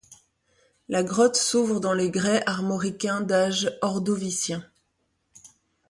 La grotte s'ouvre dans les grès armoricains d'âge ordovicien.